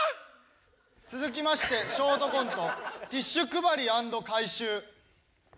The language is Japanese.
続きましてショートコント「ティッシュ配り＆回収」。